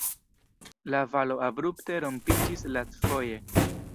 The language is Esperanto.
La valo abrupte rompiĝis lastfoje.